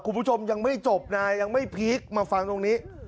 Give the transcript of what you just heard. คุณผู้ชมยังไม่จบนะยังไม่พีคมาฟังตรงนี้